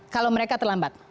kalau mereka terlambat